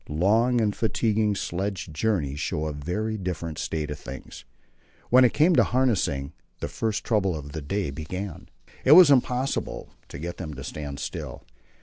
Long and fatiguing sledge journeys show a very different state of things. When it came to harnessing, the first trouble of the day began. It was impossible to get them to stand still.